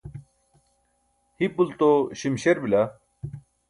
hipulto śimśer bila